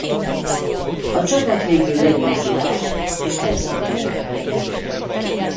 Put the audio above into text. A csapat végül legyőzi Rát és felszabadítja a helyi népet.